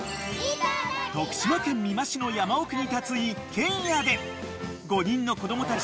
［徳島県美馬市の山奥に立つ一軒家で５人の子供たちとご両親